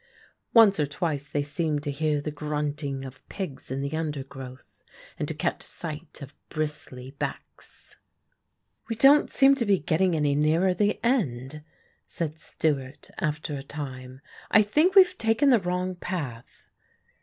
Once or twice they seemed to hear the grunting of pigs in the undergrowth and to catch sight of bristly backs. "We don't seem to be getting any nearer the end," said Stewart after a time. "I think we've taken the wrong path."